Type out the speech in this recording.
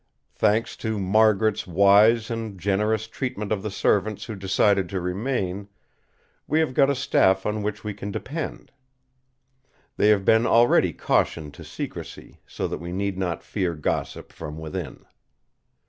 Thanks to Margaret's wise and generous treatment of the servants who decided to remain, we have got a staff on which we can depend. They have been already cautioned to secrecy, so that we need not fear gossip from within.